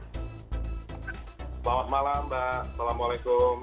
selamat malam mbak assalamualaikum